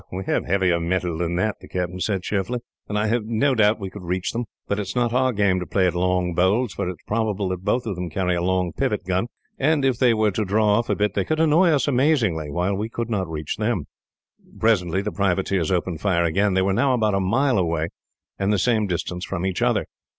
"We have heavier metal than that," the captain said, cheerfully, "and I have no doubt we could reach them. But it is not our game to play at long bowls, for it is probable that both of them carry a long pivot gun, and if they were to draw off a bit, they could annoy us amazingly, while we could not reach them." Presently the privateers opened fire again. They were now about a mile away, and the same distance from each other.